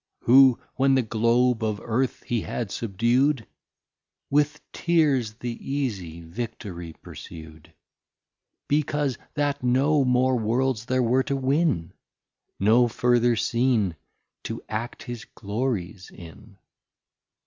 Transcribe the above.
Who when the Globe of Earth he had subdu'd, With Tears the easie Victory pursu'd; Because that no more Worlds there were to win, No further Scene to act his Glorys in.